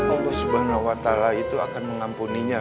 allah subhanahu wa ta'ala itu akan mengampuninya